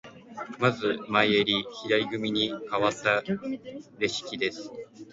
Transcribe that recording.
まず前襟、左組にかわったレシキです。